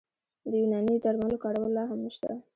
د یوناني درملو کارول لا هم شته.